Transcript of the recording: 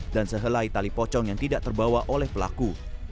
dan sehelai tali pocong yang tidak terbawa oleh pelaku